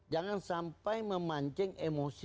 jangan sampai memancing emosi